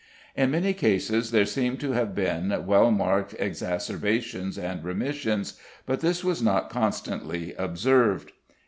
In many cases there seem to have been well marked exacerbations and remissions, but this was not constantly observed.